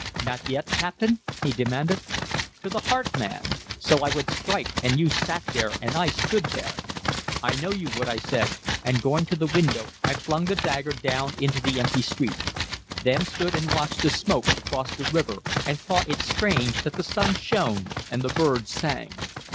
"Not yet, captain?" he demanded. "To the heart, man! So I would strike an you sat here and I stood there." "I know you would," I said, and going to the window I flung the dagger down into the empty street; then stood and watched the smoke across the river, and thought it strange that the sun shone and the birds sang.